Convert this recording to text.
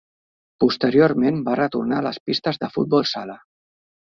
Posteriorment va retornar a les pistes de futbol sala.